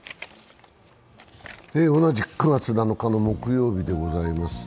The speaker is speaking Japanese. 同じく９月７日の木曜日でございます。